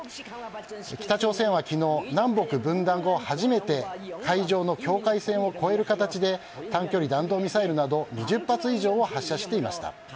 北朝鮮は昨日、南北分断後初めて海上の境界線を越える形で短距離弾道ミサイルなど２０発以上を発射していました。